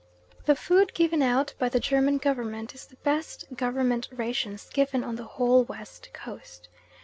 The food given out by the German Government is the best Government rations given on the whole West Coast.